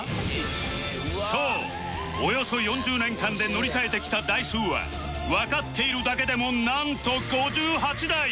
そうおよそ４０年間で乗り替えてきた台数はわかっているだけでもなんと５８台